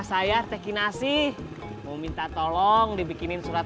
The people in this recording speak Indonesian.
saya teki nasi mau minta tolong dibikinin surat